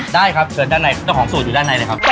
ได้ครับเกิดของสูตรอยู่ด้านในเลยครับ